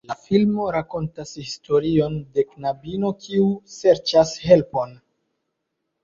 La filmo rakontas historion de knabino kiu serĉas helpon.